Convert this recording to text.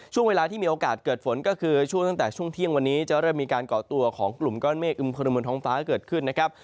ช่วงเวลาที่มีโอกาสเกิดฝนก็คือช่วงตั้งแต่ช่วงเที่ยงวันนี้จะเริ่มมีการก่อตัวของกลุ่มก้อนเมฆอึมพลเมืองท้องฟ้าเกิดขึ้นนะครับ